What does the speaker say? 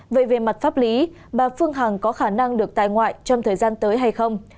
vậy về mặt pháp lý bà phương hằng có khả năng được tại ngoại trong thời gian tới hay không